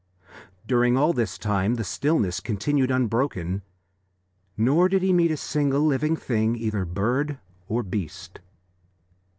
During all this time the stillness continued unbroken, nor did he meet a single living thing, either bird or beast.